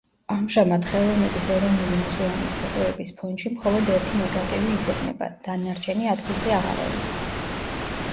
ამჟამად ხელოვნების ეროვნული მუზეუმის ფოტოების ფონდში მხოლოდ ერთი ნეგატივი იძებნება, დანარჩენი ადგილზე აღარ არის.